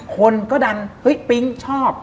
คนก็ดันเฮ้ยปิ๊งชอบ